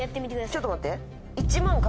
ちょっと待って。